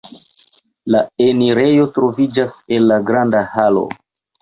La enirejo troviĝas el la granda halo.